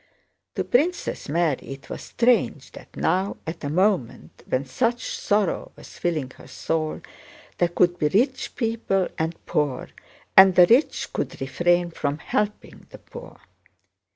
To Princess Mary it was strange that now, at a moment when such sorrow was filling her soul, there could be rich people and poor, and the rich could refrain from helping the poor.